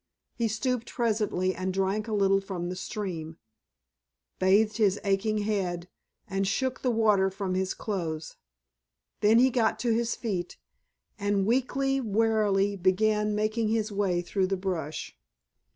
He stooped presently and drank a little from the stream, bathed his aching head, and shook the water from his clothes. Then he got to his feet, and weakly, warily, began making his way through the brush.